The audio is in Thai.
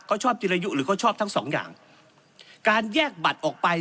เขาชอบจิรยุหรือเขาชอบทั้งสองอย่างการแยกบัตรออกไป